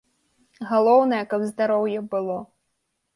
Галоўнае, каб здароўе было.